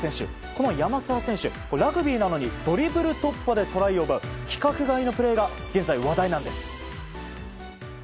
この山沢選手、ラグビーなのにドリブル突破でトライを奪う規格外のプレーが現在、話題なんです。